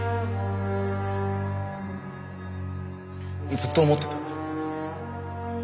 ずっと思ってた。